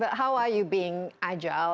bagaimana anda berpengalaman